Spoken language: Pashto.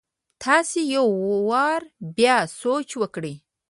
تاسي يو وار بيا سوچ وکړئ!